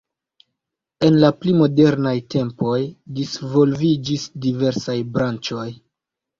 En la pli modernaj tempoj disvolviĝis diversaj branĉoj.